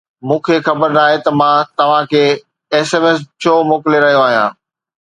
مون کي خبر ناهي ته مان توهان کي ايس ايم ايس ڇو موڪلي رهيو آهيان